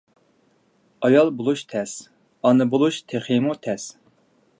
ئايال بولۇش تەس، ئانا بولۇش تېخىمۇ تەس.